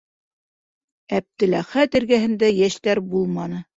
Әптеләхәт эргәһендә йәштәр булманы.